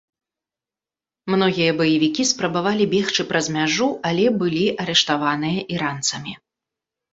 Многія баевікі спрабавалі бегчы праз мяжу, але былі арыштаваныя іранцамі.